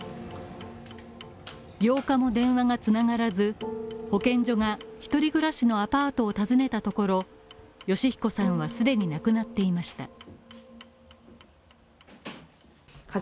８日も電話が繋がらず、保健所が一人暮らしのアパートを訪ねたところ、善彦さんは既に亡くなっていました。